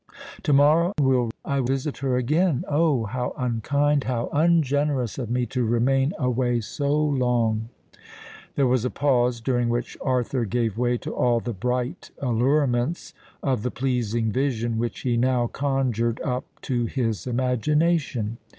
To morrow will I visit her again:—Oh! how unkind—how ungenerous of me to remain away so long!" There was a pause, during which Arthur gave way to all the bright allurements of the pleasing vision which he now conjured up to his imagination.